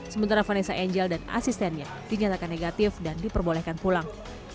sementara vanessa angel dan asistennya dinyatakan negatif dan diperbolehkan pulang